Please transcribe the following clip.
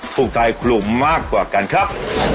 ถูกใจครูมากกว่ากันครับ